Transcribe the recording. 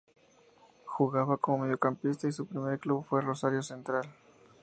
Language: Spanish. Jugaba como mediocampista y su primer club fue Rosario Central.